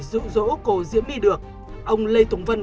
rụ rỗ cô diễm đi được ông lê tùng vân